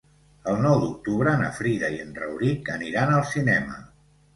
El nou d'octubre na Frida i en Rauric aniran al cinema.